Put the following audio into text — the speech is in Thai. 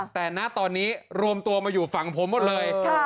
แต่ณตอนนี้รวมตัวมาอยู่ฝั่งผมหมดเลย